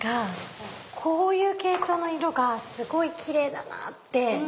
こういう系統の色がすごい奇麗だなって。